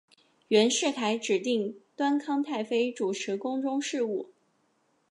袁世凯指定端康太妃主持宫中事务。